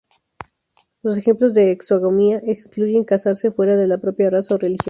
Los ejemplos de exogamia incluyen casarse fuera de la propia raza o religión.